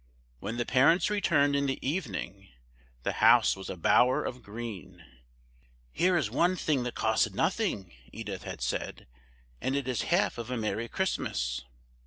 When the parents returned in the evening the house was a bower of green. "Here is one thing that costs nothing!" Edith had said, "and it is half of a merry Christmas."